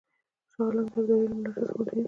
شاه عالم د ابدالي له ملاتړ څخه مطمئن شو.